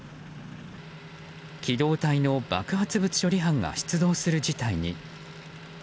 機動隊の爆発物処理班が出動する事態に。